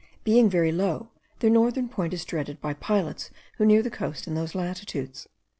Being very low, their northern point is dreaded by pilots who near the coast in those latitudes.